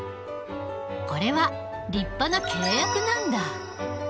これは立派な契約なんだ。